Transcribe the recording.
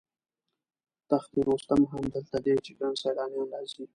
تخت رستم هم دلته دی چې ګڼ سیلانیان راځي.